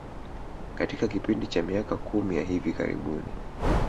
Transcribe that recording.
Katika kipindi cha miaka kumi ya hivi karibuni